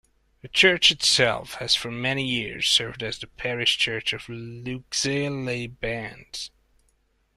The church itself has for many years served as the parish church of Luxeuil-les-Bains.